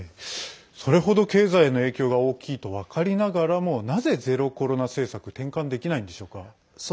それほど経済への影響が大きいと分かりながらもなぜ、ゼロコロナ政策転換できないんでしょうか？